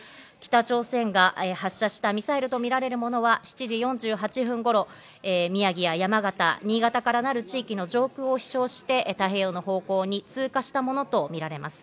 北朝鮮が発射したミサイルとみられるものは７時４８分頃、宮城や山形、新潟からなる地域の上空を飛翔して太平洋の方向に通過したものとみられます。